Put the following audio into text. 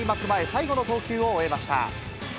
前最後の投球を終えました。